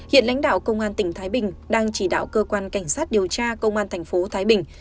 hiện lãnh đạo công an tỉnh thái bình đang chỉ đạo cơ quan cảnh sát điều tra công an thành phố thái bình